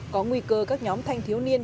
có nguy cơ các nhóm thanh thiếu niên